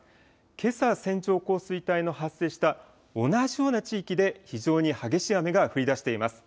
けさ線状降水帯の発生した同じような地域で非常に激しい雨が降りだしています。